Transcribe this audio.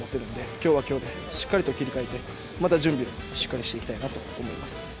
今日は今日でしっかりと切り替えてまた準備しっかりしていきたいなと思います。